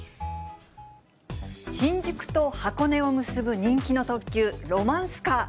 新宿と箱根を結ぶ人気の特急、ロマンスカー。